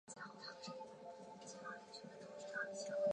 他亦表示这是职业生涯中表现最好的一场比赛。